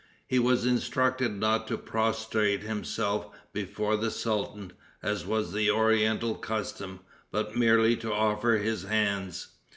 He was instructed not to prostrate himself before the sultan, as was the oriental custom, but merely to offer his hands.